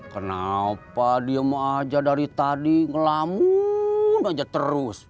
kenapa dia mau aja dari tadi ngelamu aja terus